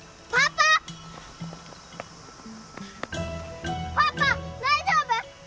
パパ大丈夫？